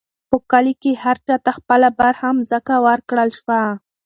په کلي کې هر چا ته خپله برخه مځکه ورکړل شوه.